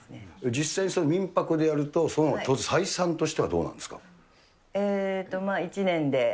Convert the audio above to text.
実際にそれは民泊でやると、採算としてはどうなんですか。